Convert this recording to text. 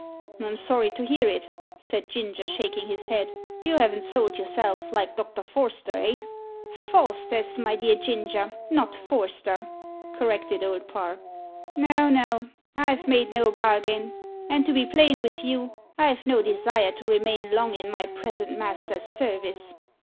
"I'm sorry to hear it," said Ginger, shaking his head. "You haven't sold yourself, like Doctor Forster eh?" "Faustus, my dear Ginger not Forster," corrected Old Parr. "No, no, I've made no bargain. And to be plain with you, I've no desire to remain long in my present master's service."